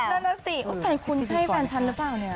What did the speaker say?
นั่นน่ะสิแฟนคุณใช่แฟนฉันหรือเปล่าเนี่ย